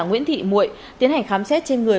nguyễn thị muội tiến hành khám xét trên người